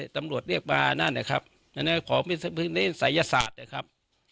ตำรวจเรียกมานั่นนะครับนั่นเนี้ยของเป็นสายศาสตร์นะครับ